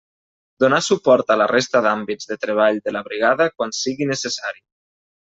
Donar suport a la resta d'àmbits de treball de la brigada quan sigui necessari.